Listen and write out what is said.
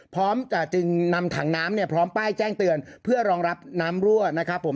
จึงนำถังน้ำเนี่ยพร้อมป้ายแจ้งเตือนเพื่อรองรับน้ำรั่วนะครับผม